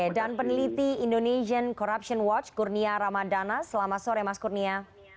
dan peneliti indonesian corruption watch kurnia ramadana selamat sore mas kurnia